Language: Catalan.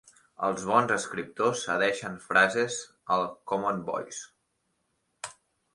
Els bons escriptors cedeixen frases al Common Voice.